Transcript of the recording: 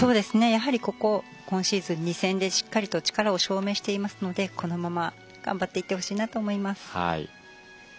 やはり今シーズン２戦でしっかり力を証明していますのでこのまま頑張っていってほしいなと思います。